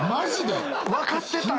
分かってたんや。